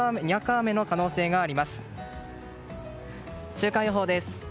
週間予報です。